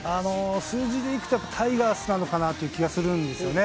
数字でいくと、タイガースなのかなという気がするんですよね。